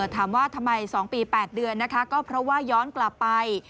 ถามว่าทำไม๒ปี๘เดือนนะคะก็เพราะว่าย้อนกลับไป